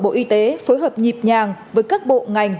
bộ y tế phối hợp nhịp nhàng với các bộ ngành